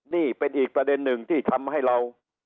นี่เป็นอีกประเด็นหนึ่งที่ทำให้เรา